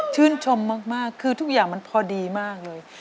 ชื่นชมมากคือทุกอย่างมันพอดีมากเลย